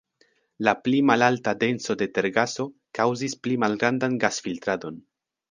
La pli malalta denso de tergaso kaŭzis pli malgrandan gas-filtradon.